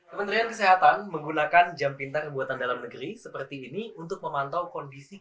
kementerian kesehatan menggunakan jam pintar buatan dalam negeri seperti ini untuk memantau kondisi